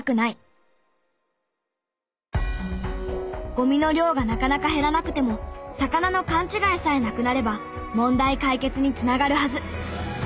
ゴミの量がなかなか減らなくても魚の勘違いさえなくなれば問題解決につながるはず。